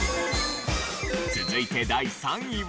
続いて第３位は。